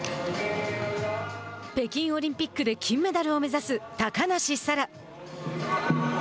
北京オリンピックで金メダルを目指す高梨沙羅。